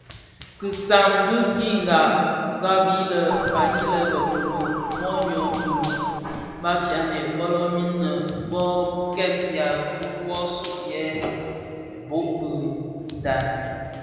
Kisam dhi kinga gbali I faňii lè Bekodo mōnyō di bafianè folomin nnë bö kpèya ifuu bō sug yè bhog bo dhad.